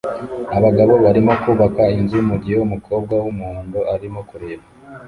abagabo barimo kubaka inzu mugihe umukobwa wumuhondo arimo kureba